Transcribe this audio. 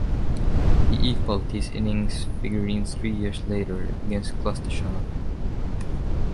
He equaled these innings figures three years later against Gloucestershire.